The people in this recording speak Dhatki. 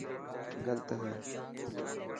گلت هي.